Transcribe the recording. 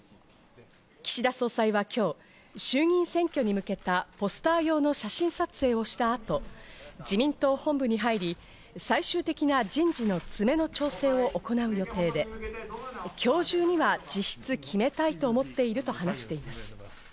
岸田総裁は今日、衆議院選挙に向けたポスター用の写真撮影をしたあと自民党本部に入り、最終的な人事の詰めの調整を行う予定で、今日中には実質、決めたいと思っていると話しています。